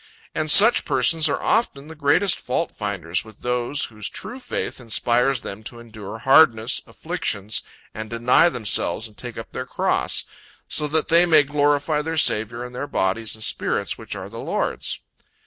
And such persons are often the greatest fault finders with those, whose true faith inspires them to endure hardness, afflictions and deny themselves and take up their cross, so that they may glorify their Saviour in their bodies and spirits which are the Lord's.